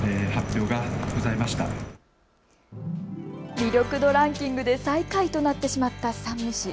魅力度ランキングで最下位となってしまった山武市。